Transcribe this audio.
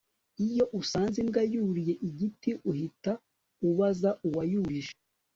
iyo usanze imbwa yuriye igiti, uhita ubaza uwayurije